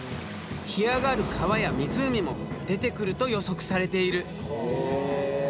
干上がる川や湖も出てくると予測されている。